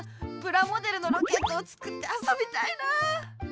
プラモデルのロケットをつくってあそびたいな。